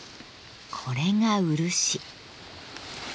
これが漆。